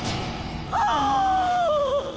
ああ！